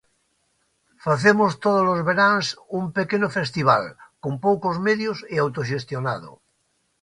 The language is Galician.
Facemos todos os veráns un pequeno festival, con poucos medios e autoxestionado.